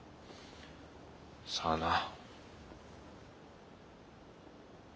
さあな。